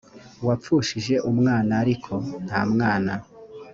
wapfushije umwana ariko nta mwana